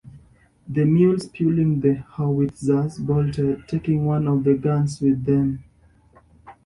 The mules pulling the howitzers bolted, taking one of the guns with them.